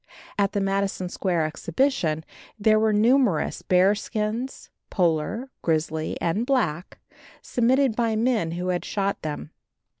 At the Madison Square exhibition there were numerous bear skins, polar, grizzly and black, submitted by men who had shot them.